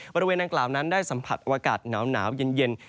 บริเวณดังกล่าวนั้นได้สัมผัสอากาศหนาวเย็น